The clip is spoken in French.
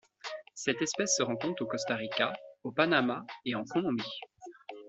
Cette espèce se rencontre au Costa Rica, au Panama et en Colombie.